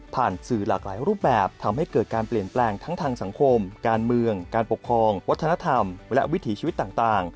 สื่อหลากหลายรูปแบบทำให้เกิดการเปลี่ยนแปลงทั้งทางสังคมการเมืองการปกครองวัฒนธรรมและวิถีชีวิตต่าง